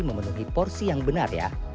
memenuhi porsi yang benar ya